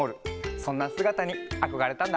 そんなすがたにあこがれたんだ。